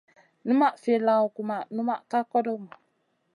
Numaʼ fi lawn kumaʼa numa ka kodomu.